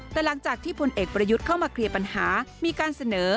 แต่หลังจากที่พลเอกประยุทธ์เข้ามาเคลียร์ปัญหามีการเสนอ